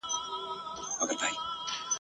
پر پردیو ما ماتم نه دی لیدلی ..